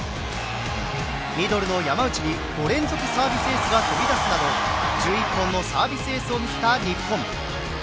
ミドルの山内に５連続サービスエースが飛び出すなど１１本のサービスエースを見せた日本。